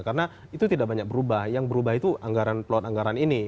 karena itu tidak banyak berubah yang berubah itu lewat anggaran ini